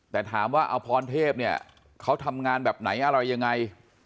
แต่ถามว่าอพรเทพเนี่ยเขาทำงานแบบไหนอะไรยังไง